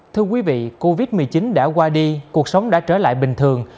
thưa quý vị covid một mươi chín đã qua đi cuộc sống đã trở lại bình thường